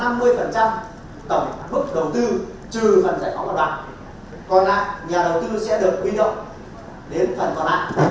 còn lại nhà đầu tư sẽ được huy động đến phần còn lại